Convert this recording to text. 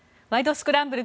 スクランブル」